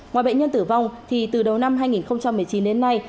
ngoài bệnh nhân tử vong thì từ đầu năm hai nghìn một mươi chín đến nay